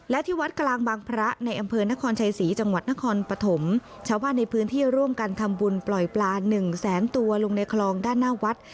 และที่วัดกลางบางพระในอำเภอนครชัยศรีจังหวัดนครปฐมชาวบ้านในพื้นที่ร่วมกันทำบุญปล่อยปลาหนึ่งแสนตัวลงในคลองด้านหน้าวัด